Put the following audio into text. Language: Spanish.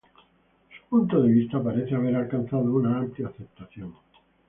Su punto de vista parece haber alcanzado una amplia aceptación.